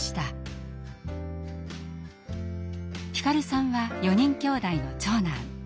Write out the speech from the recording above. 皓さんは４人きょうだいの長男。